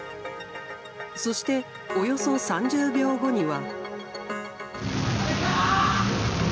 そして、およそ３０秒後には。